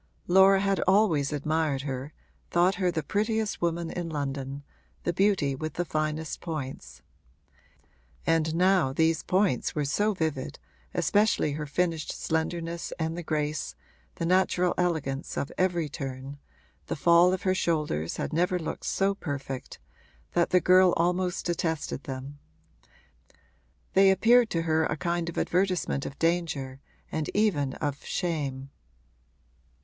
Laura had always admired her, thought her the prettiest woman in London, the beauty with the finest points; and now these points were so vivid (especially her finished slenderness and the grace, the natural elegance of every turn the fall of her shoulders had never looked so perfect) that the girl almost detested them: they appeared to her a kind of advertisement of danger and even of shame.